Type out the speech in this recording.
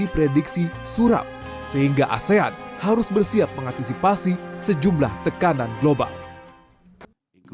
pembuatan bergantian seperti penyelamatan baris tanpa tarif